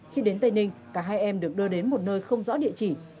khi đến tây ninh cả hai em được đưa đến một nơi không rõ địa chỉ